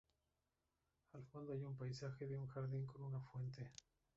Al fondo hay un paisaje de un jardín con una fuente.